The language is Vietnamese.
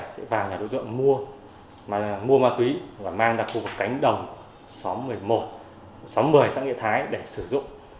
sẽ vào nhà đối tượng mua ma túy và mang ra khu vực cánh đồng sáu trăm một mươi sãn nghĩa thái để sử dụng